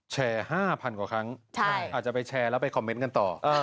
๕๐๐กว่าครั้งอาจจะไปแชร์แล้วไปคอมเมนต์กันต่อ